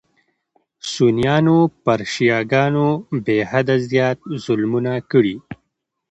سنیانو پر شیعه ګانو بېحده زیات ظلمونه کړي.